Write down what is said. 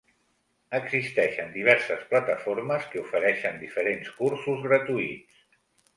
Existeixen diverses plataformes que ofereixen diferents cursos gratuïts.